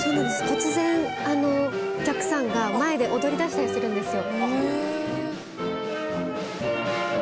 突然お客さんが前で踊りだしたりするんですよ。